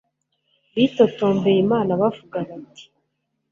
Bitotombeye Imana bavuga bati